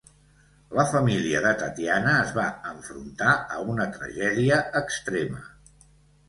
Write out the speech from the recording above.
La família de Tatiana es va enfrontar a una tragèdia extrema.